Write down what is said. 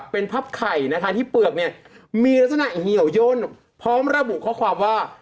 เป็นพับไข่นะคะที่เปลือกเนี่ยมีลักษณะเหี่ยวย่นพร้อมระบุข้อความว่า